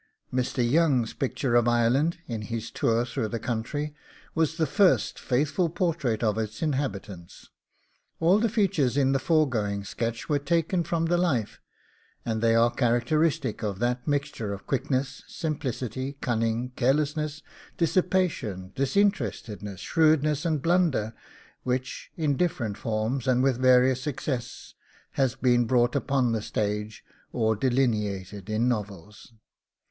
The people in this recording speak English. Mr. Young's picture of Ireland, in his tour through that country, was the first faithful portrait of its inhabitants. All the features in the foregoing sketch were taken from the life, and they are characteristic of that mixture of quickness, simplicity, cunning, carelessness, dissipation, disinterestedness, shrewdness, and blunder, which, in different forms and with various success, has been brought upon the stage or delineated in novels.